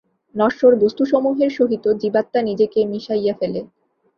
নশ্বর বস্তুসমূহের সহিত জীবাত্মা নিজেকে মিশাইয়া ফেলে।